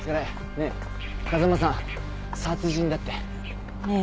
ねえ風間さん殺人だって？ええ。